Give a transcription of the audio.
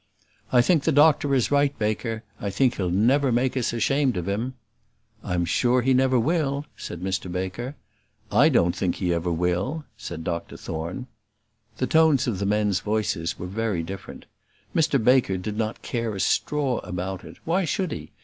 "I think the doctor is right, Baker, I think he'll never make us ashamed of him." "I am sure he never will," said Mr Baker. "I don't think he ever will," said Dr Thorne. The tones of the men's voices were very different. Mr Baker did not care a straw about it; why should he?